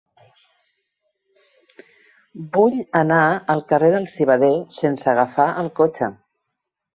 Vull anar al carrer del Civader sense agafar el cotxe.